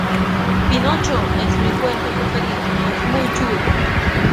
pinocho. es mi cuento preferido . es muy chulo .